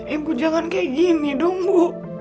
ibu jangan kayak gini dong bu